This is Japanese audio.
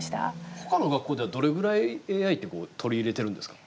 他の学校ではどれぐらいＡＩって取り入れてるんですか？